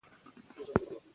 ځینې خلک دا اخلي.